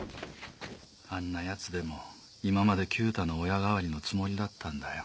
あんな奴でも今まで九太の親代わりのつもりだったんだよ。